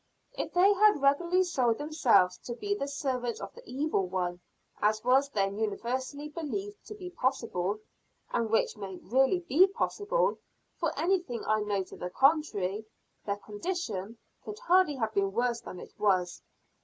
If they had regularly sold themselves to be the servants of the Evil One, as was then universally believed to be possible and which may really be possible, for anything I know to the contrary their condition could hardly have been worse than it was.